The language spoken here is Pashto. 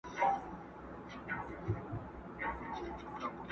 !شپېلۍ!